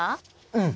うん！